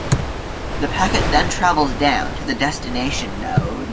The packet then travels down to the destination node.